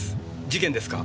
事件ですか？